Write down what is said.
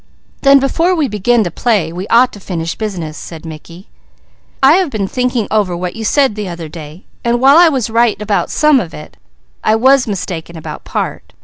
"Then before we begin to play we ought to finish business," said Mickey. "I have been thinking over what you said the other day, and while I was right about some of it, I was mistaken about part.